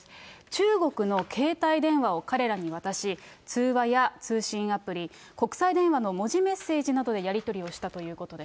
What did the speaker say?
中国の携帯電話を彼らに渡し、通話や通信アプリ、国際電話の文字メッセージなどでやり取りをしたということです。